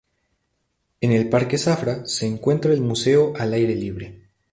En el Parque Zafra, se encuentra el Museo al Aire Libre.